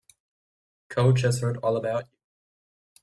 Coach has heard all about you.